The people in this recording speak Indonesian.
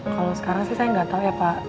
kalo sekarang sih saya gak tau ya pak